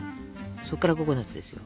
そっからココナツですよ。